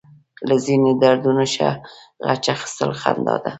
له ځينو دردونو ښه غچ اخيستل خندا ده.